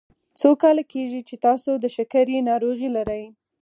څو کاله کیږي چې تاسو د شکرې ناروغي لری؟